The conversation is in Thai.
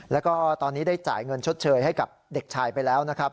แล้วก็ตอนนี้ได้จ่ายเงินชดเชยให้กับเด็กชายไปแล้วนะครับ